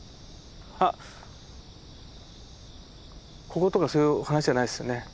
こことかそういう話じゃないですよね？